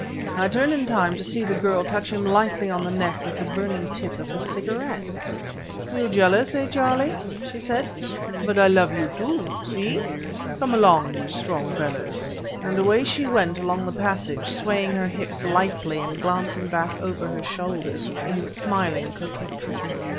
I turned in time to see the girl touch him lightly on the neck with the burning tip of her cigarette. "You jealous, eh, Charlie?" she said. "But I love you, too see! Come along, you strong fellers...." And away she went along the passage, swaying her hips lithely and glancing back over her shoulders in smiling coquetry.